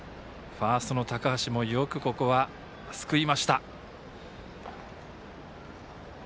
ファーストの高橋もよく、ここはすくいました。